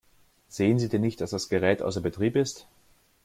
Sehen Sie denn nicht, dass das Gerät außer Betrieb ist?